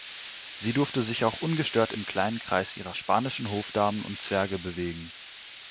Sie durfte sich auch ungestört im kleinen Kreis ihrer spanischen Hofdamen und Zwerge bewegen.